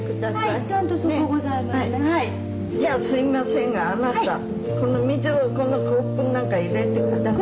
じゃあすいませんがあなたこの水をこのコップの中へ入れて下さい。